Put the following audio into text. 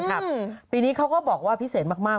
ครับปีนี้เขาก็บอกว่าพิเศษมาก